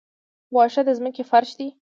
واښه د ځمکې فرش دی